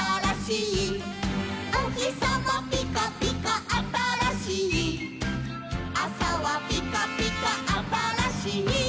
「おひさまぴかぴかあたらしい」「あさはぴかぴかあたらしい」